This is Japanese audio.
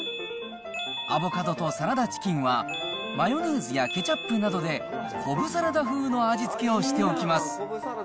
アボカドとサラダチキンは、マヨネーズやケチャップなどで、コブサラダ風の味付けをしておきます。